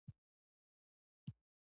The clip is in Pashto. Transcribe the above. بېنډۍ د جومات پر خواړه کې هم وي